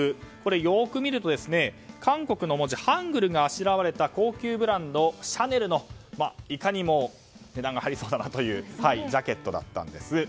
よく見ると韓国の文字ハングルがあしらわれた高級ブランド、シャネルのいかにも値段が張りそうだなというジャケットだったんです。